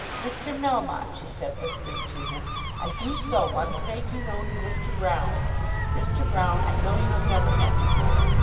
"Mr. Melmotte," she said, whispering to him, "I do so want to make you known to Mr. Broune. Mr. Broune I know you have never met before.